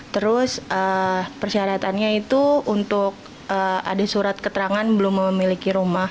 terus persyaratannya itu untuk ada surat keterangan belum memiliki rumah